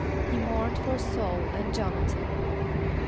=He mourned for S[a:]ul and J[)o]n´a than.